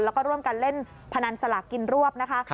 แล้วก็ร่วมกันเล่นพนันสลากกินรวบนะคะ